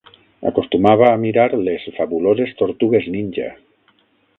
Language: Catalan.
Acostumava a mirar Les Fabuloses Tortugues Ninja.